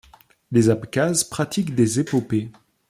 Les Abkhazes pratiquent des épopées.